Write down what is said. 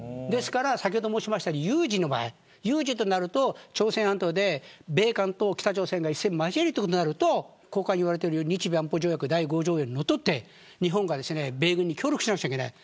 先ほど申しましたように有事となると朝鮮半島で米韓と北朝鮮が一戦を交えることになると巷間、言われているように日米安保条約第５条にのっとって日本が米軍に協力しなくちゃいけない。